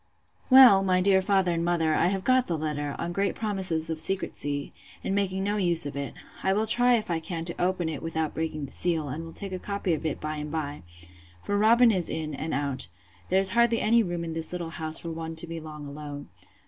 Well, my dear father and mother, I have got the letter, on great promises of secrecy, and making no use of it. I will try if I can open it without breaking the seal, and will take a copy of it by and by; for Robin is in and out: there being hardly any room in this little house for one to be long alone.